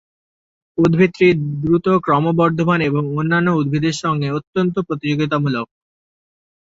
উদ্ভিদটি দ্রুত ক্রমবর্ধমান এবং অন্যান্য উদ্ভিদের সঙ্গে অত্যন্ত প্রতিযোগিতামূলক।